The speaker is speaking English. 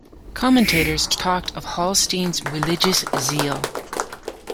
Commentators talked of Hallstein's "religious zeal".